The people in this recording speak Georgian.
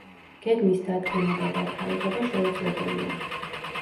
გეგმის დადგენა და დათარიღება შეუძლებელია.